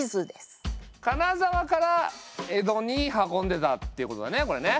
金沢から江戸に運んでたっていうことだねこれね。